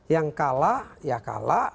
yang kalah ya kalah